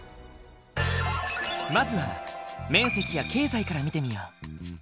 まずは面積や経済から見てみよう。